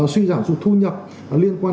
suy giảm dụt thu nhập liên quan